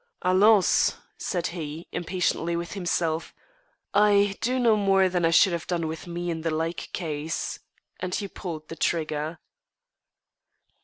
"Allons!" said he impatiently with himself, "I do no more than I should have done with me in the like case," and he pulled the trigger.